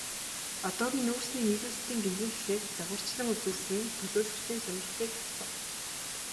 Одоогийн нүүрсний нийлүүлэлтийн гинжин хэлхээг загварчлан үзүүлсэн нь төлөөлөгчдийн сонирхлыг татсан.